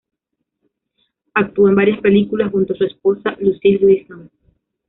Actuó en varias películas junto a su esposa, Lucile Gleason.